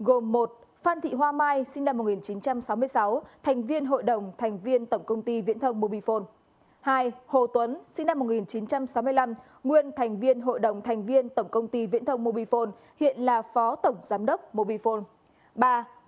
hai hồ tuấn sinh năm một nghìn chín trăm sáu mươi năm nguyên thành viên hội đồng thành viên tổng công ty viễn thông mobifone hiện là phó tổng giám đốc mobifone